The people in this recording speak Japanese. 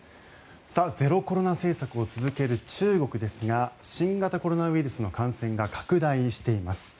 ゼロコロナ政策を続ける中国ですが新型コロナウイルスの感染が拡大しています。